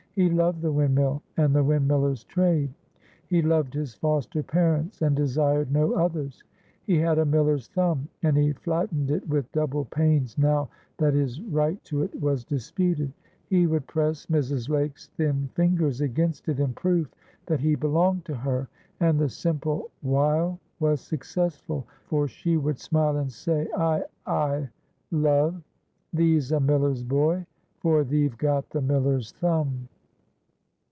He loved the windmill and the windmiller's trade. He loved his foster parents, and desired no others. He had a miller's thumb, and he flattened it with double pains now that his right to it was disputed. He would press Mrs. Lake's thin fingers against it in proof that he belonged to her, and the simple wile was successful, for she would smile and say, "Ay, ay, love! Thee's a miller's boy, for thee've got the miller's thumb."